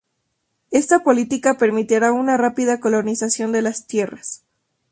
Esta política permitiría una rápida colonización de las tierras.